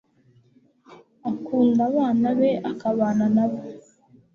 akunda abana be akabana nabo